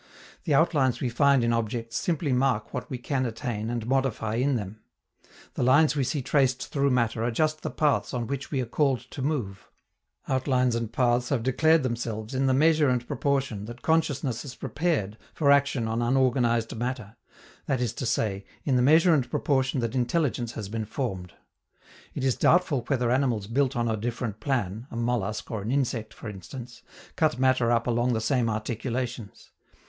The outlines we find in objects simply mark what we can attain and modify in them. The lines we see traced through matter are just the paths on which we are called to move. Outlines and paths have declared themselves in the measure and proportion that consciousness has prepared for action on unorganized matter that is to say, in the measure and proportion that intelligence has been formed. It is doubtful whether animals built on a different plan a mollusc or an insect, for instance cut matter up along the same articulations.